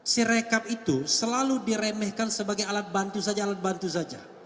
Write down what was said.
sirekap itu selalu diremehkan sebagai alat bantu saja alat bantu saja